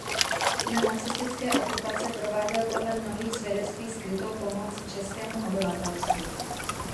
Za nacistické okupace prováděl podle mnohých svědectví skrytou pomoc českému obyvatelstvu.